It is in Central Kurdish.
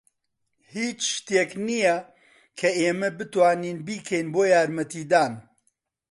هیچ شتێک نییە کە ئێمە بتوانین بیکەین بۆ یارمەتیدان.